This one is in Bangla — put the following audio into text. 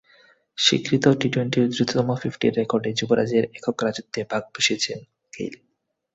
স্বীকৃত টি-টোয়েন্টির দ্রুততম ফিফটির রেকর্ডে যুবরাজের একক রাজত্বে ভাগ বসিয়েছেন গেইল।